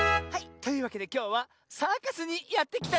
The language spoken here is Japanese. というわけできょうはサーカスにやってきた。